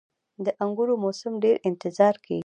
• د انګورو موسم ډیر انتظار کیږي.